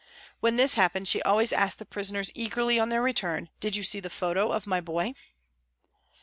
When this happened she always asked the prisoners eagerly on their return, " Did you see the photo of my boy